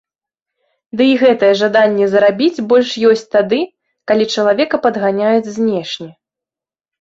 Ды і гэтае жаданне зарабіць больш ёсць тады, калі чалавека падганяюць знешне.